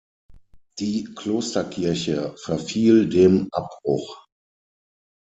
Die Klosterkirche verfiel dem Abbruch.